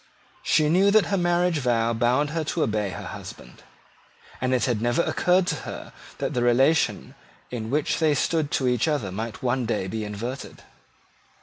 She knew that her marriage vow bound her to obey her husband; and it had never occurred to her that the relation in which they stood to each other might one day be inverted.